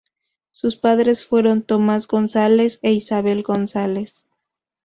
Sus padres fueron Tomás González e Isabel González.